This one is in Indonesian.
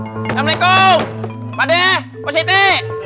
assalamualaikum padeh positi